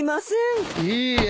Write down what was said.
いいえ。